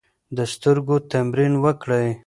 د سترګو تمرین وکړئ.